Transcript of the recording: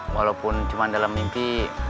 walaupun cuman dalam mimpi